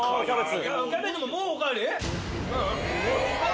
キャベツももうおかわり？